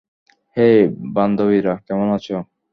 হেই বান্ধবীরা, কেমন আছো?